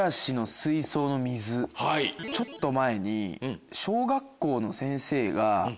ちょっと前に。